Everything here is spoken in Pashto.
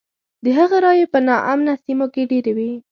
د هغه رایې په نا امنه سیمو کې ډېرې وې.